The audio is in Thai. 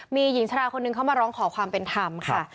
มีหญิงชะลาคนหนึ่งเข้ามาร้องขอความเป็นธรรมค่ะ